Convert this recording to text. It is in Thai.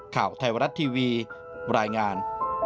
ข่าวไทยรัฐทีวีรายงาน